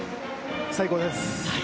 最高です。